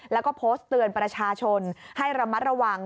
แล้วก็โพสต์เตือนประชาชนให้ระมัดระวัง